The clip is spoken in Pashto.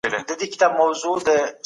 نړیوال امنیتي ګواښونه څنګه څیړل کیږي؟